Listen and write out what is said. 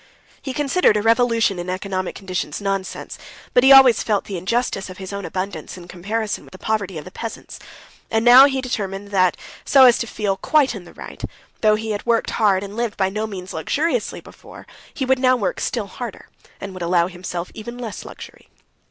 He considered a revolution in economic conditions nonsense. But he always felt the injustice of his own abundance in comparison with the poverty of the peasants, and now he determined that so as to feel quite in the right, though he had worked hard and lived by no means luxuriously before, he would now work still harder, and would allow himself even less luxury.